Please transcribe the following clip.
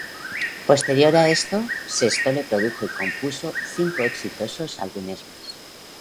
Posterior a esto, Sesto le produjo y compuso cinco exitosos álbumes más.